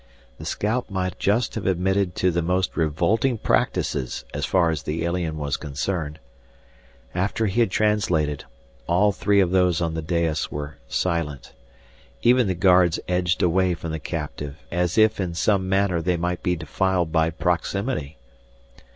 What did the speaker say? The scout might just have admitted to the most revolting practices as far as the alien was concerned. After he had translated, all three of those on the dais were silent. Even the guards edged away from the captive as if in some manner they might be defiled by proximity.